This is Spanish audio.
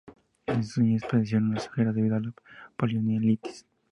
Desde su niñez padeció una cojera debido a la poliomielitis.